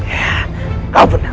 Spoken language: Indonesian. ya kau benar